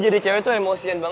jadi ini rumahnya boy